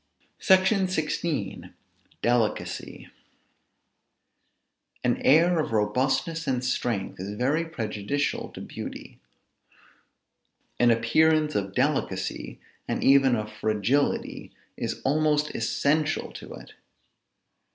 SECTION XVI. DELICACY. An air of robustness and strength is very prejudicial to beauty. An appearance of delicacy, and even of fragility, is almost essential to it.